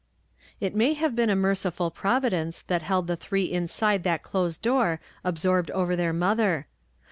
It may have been a merciful Providence that held the three inside that closed door absorbed over their mother.